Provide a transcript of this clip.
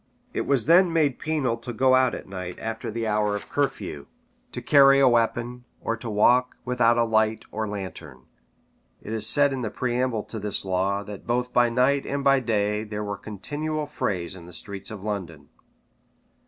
It was then made penal to go out at night after the hour of the curfew, to carry a weapon, or to walk without a light or lantern. It is said in the preamble to this law, that both by night and by day there were continual frays in the streets of London.